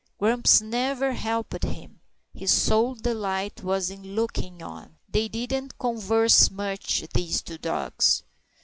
Grumps never helped him; his sole delight was in looking on. They didn't converse much, these two dogs.